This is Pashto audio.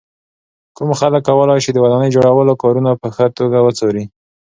کوم خلک کولای شي د ودانۍ جوړولو کارونه په ښه توګه وڅاري.